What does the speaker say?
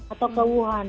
atau ke wuhan